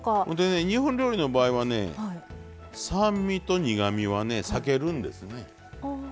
ほんでね日本料理の場合はね酸味と苦みはね避けるんですね。